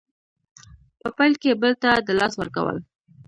په پیل کې بل ته د لاس ورکول